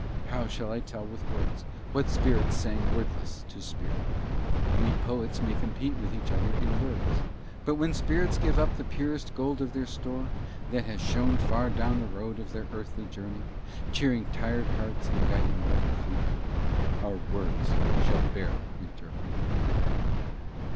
How shall I tell with words what spirit sang wordless to spirit? We poets may compete with each other in words; but when spirits give up the purest gold of their store, that has shone far down the road of their earthly journey, cheering tired hearts and guiding mortal feet, our words shall barely interpret.